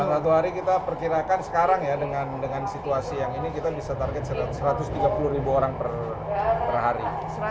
satu hari kita perkirakan sekarang ya dengan situasi yang ini kita bisa target satu ratus tiga puluh ribu orang per hari